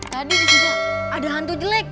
tadi disitu ada hantu jelek